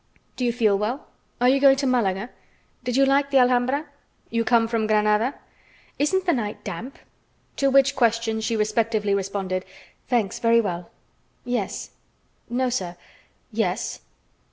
"Do you feel well?" "Are you going to Malaga?" "Did you like the Alhambra?" "You come from Granada?" "Isn't the night damp?" To which questions she respectively responded: "Thanks, very well." "Yes." "No, sir." "Yes!"